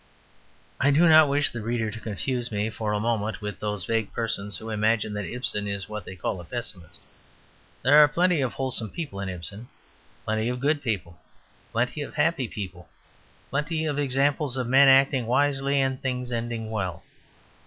I do not wish the reader to confuse me for a moment with those vague persons who imagine that Ibsen is what they call a pessimist. There are plenty of wholesome people in Ibsen, plenty of good people, plenty of happy people, plenty of examples of men acting wisely and things ending well.